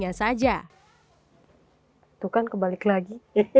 itu kan kebalik lagi